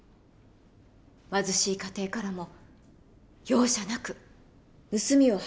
貧しい家庭からも容赦なく盗みを働いてきた。